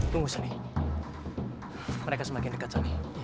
tunggu sani mereka semakin dekat sani